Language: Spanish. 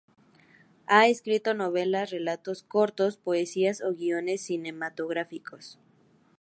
Ha escrito novelas, relatos cortos, poesías o guiones cinematográficos.